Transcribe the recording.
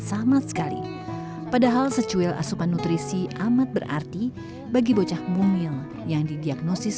sama sekali padahal secuil asupan nutrisi amat berarti bagi bocah mumil yang didiagnosis